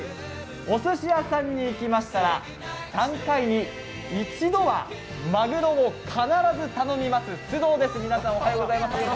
おすし屋さんに行きましたら、３回に１度はマグロを必ず頼みます、須藤です、皆さん、おはようございます。